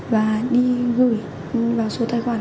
và đi gửi vào số tài khoản